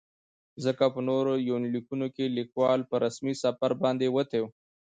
ځکه په نورو يونليکونو کې ليکوال په رسمي سفر باندې وتى و.